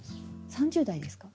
３０代ですか？